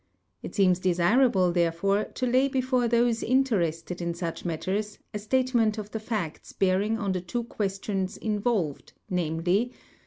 It seems desirable, therefore, to lay before tbose interested in such matters a statement of the facts bearing on the two questions involved, namely.